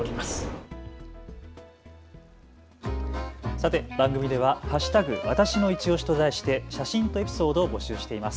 さて、番組では＃わたしのいちオシと題して写真とエピソードを募集しています。